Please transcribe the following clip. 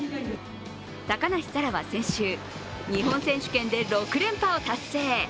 高梨沙羅は先週、日本選手権で６連覇を達成。